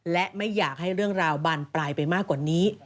และไม่อยากให้เรื่องราวบานปลายไปมากกว่านี้